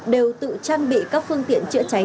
đều tự trang bị các phương tiện trợ cháy